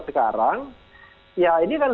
sekarang ya ini kan